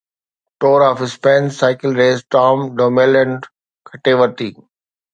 tour of Spain cycle race Tom Dumoulin کٽي ورتي